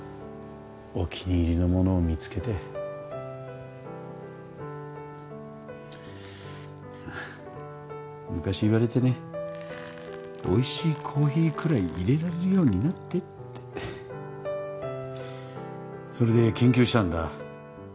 お気に入りのものを見つけて昔言われてねおいしいコーヒーくらいいれられるようになってってそれで研究したんだ